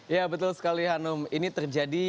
ya betul sekali hanum ini terjadi